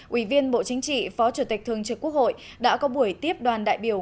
ủy viên bộ chính trị phó chủ tịch thường trực quốc hội đã có buổi tiếp đoàn đại biểu